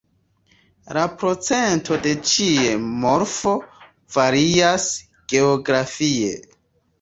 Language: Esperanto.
La procento de ĉiu morfo varias geografie.